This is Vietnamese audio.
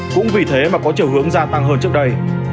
cũng vì thế mà có chiều hướng gia tăng hơn trước đây